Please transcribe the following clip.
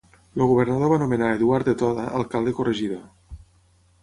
El governador va nomenar Eduard de Toda alcalde-corregidor.